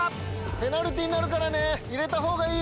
ペナルティーになるからね入れたほうがいいよ。